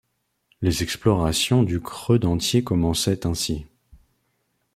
Les explorations du Creux d'Entier commençaient ainsi.